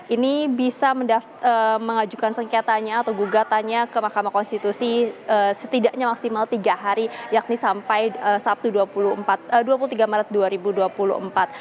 ini bisa mengajukan sengketanya atau gugatannya ke mahkamah konstitusi setidaknya maksimal tiga hari yakni sampai sabtu dua puluh tiga maret dua ribu dua puluh empat